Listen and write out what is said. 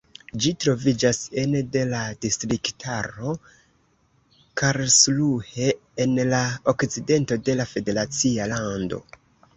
Ĝi troviĝas ene de la distriktaro Karlsruhe, en la okcidento de la federacia lando.